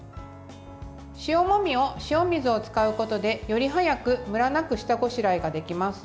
塩もみを、塩水を使うことでより早く、ムラなく下ごしらえができます。